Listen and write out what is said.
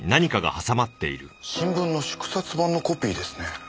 新聞の縮刷版のコピーですね。